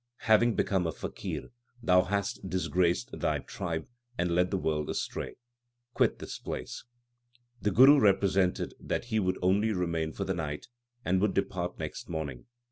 Having become a faqir, thou hast dis graced thy tribe, and led the world astray. Quit this place. The Guru represented that he would only remain for the night, and would depart next morning.